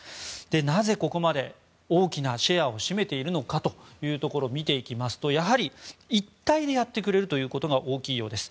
なぜここまで大きなシェアを占めているのかを見ていきますと、やはり一体でやってくれるということが大きいようです。